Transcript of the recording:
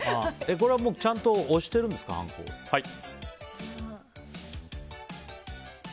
これはちゃんと押しているんですかはい。